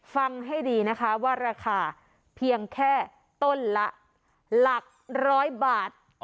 ฟังให้ดีนะคะว่าราคาเพียงแค่ต้นละหลักร้อยบาท